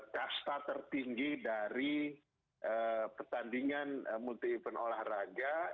kasta tertinggi dari pertandingan multi event olahraga